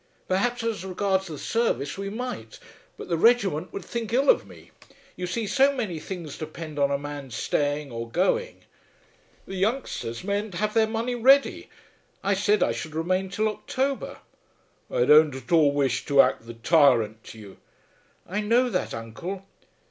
"Perhaps as regards the service we might, but the regiment would think ill of me. You see, so many things depend on a man's staying or going. The youngsters mayn't have their money ready. I said I should remain till October." "I don't at all wish to act the tyrant to you." "I know that, uncle."